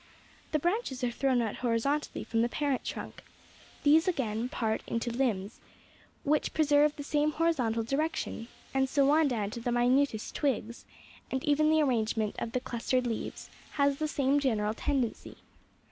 The branches are thrown out horizontally from the parent trunk. These again part into limbs, which preserve the same horizontal direction, and so on down to the minutest twigs; and even the arrangement of the clustered leaves has the same general tendency.